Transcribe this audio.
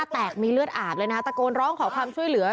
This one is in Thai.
แตกมีเลือดอาบเลยนะตะโกนร้องขอความช่วยเหลือ